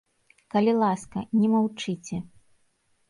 Калі ласка, не маўчыце!